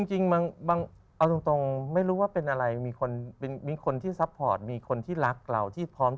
จริงเอาตรงไม่รู้ว่าเป็นอะไรมีคนที่ซัพพอร์ตมีคนที่รักเราที่พร้อม